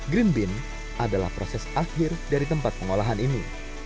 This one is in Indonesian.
green bean adalah proses akhir dari tempat pengolahan ini